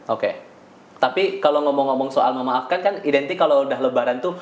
oke tapi kalau ngomong ngomong soal memaafkan kan identik kalau udah lebaran tuh